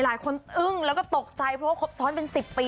อึ้งแล้วก็ตกใจเพราะว่าครบซ้อนเป็น๑๐ปี